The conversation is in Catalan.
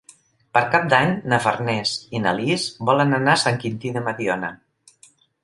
Per Cap d'Any na Farners i na Lis volen anar a Sant Quintí de Mediona.